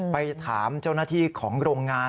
ไปถามเจ้าหน้าที่ของโรงงาน